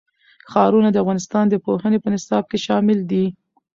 ښارونه د افغانستان د پوهنې په نصاب کې دي.